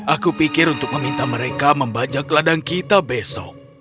aku pikir untuk meminta mereka membajak ladang kita besok